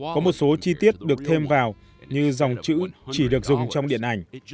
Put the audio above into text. có một số chi tiết được thêm vào như dòng chữ chỉ được dùng trong điện ảnh